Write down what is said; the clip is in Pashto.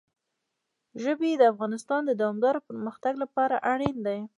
ژبې د افغانستان د دوامداره پرمختګ لپاره اړین دي.